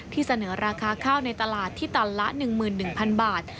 เสนอราคาข้าวในตลาดที่ตันละ๑๑๐๐๐บาท